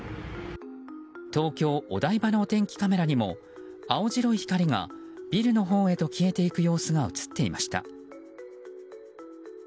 東京・お台場のお天気カメラにも青白い光がビルのほうへと消えていく様子が映っていました。